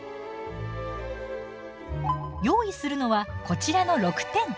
用意するのはこちらの６点。